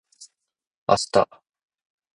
あした